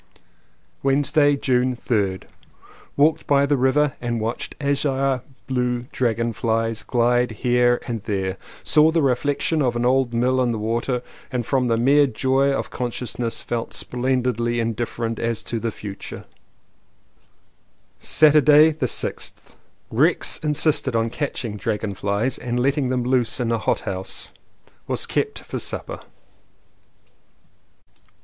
Wednesday, June 3rd. Walked by the river and watched azure blue dragon flies glide here and there. Saw the reflection of an old mill in the water and from the mere joy of consciousness felt splendidly indiff^erent as to the future. 212 LLEWELLYN POWYS Saturday the 6th. Rex insisted on catching dragon flies and letting them loose in a hot house. Was kept for supper.